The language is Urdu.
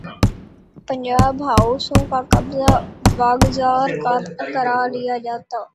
پنجاب ہاؤسوں کا قبضہ واگزار کرا لیا جاتا۔